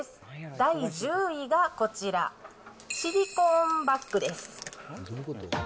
第１０位がこちら、シリコーンバッグです。